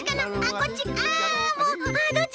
こっち？